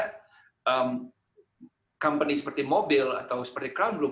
perusahaan seperti mobil atau seperti crowd group